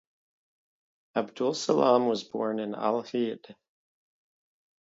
Abdulsalam was born in Al Hidd.